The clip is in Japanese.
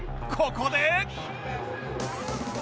ここで